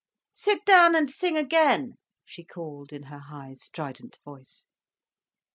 "Sit down and sing again," she called in her high, strident voice.